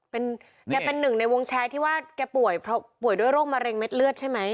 เป็นแกเป็นหนึ่งในวงแชร์ที่ว่าแกป่วยด้วยโรคมะเร็งเด็ดเลือดใช่ไหม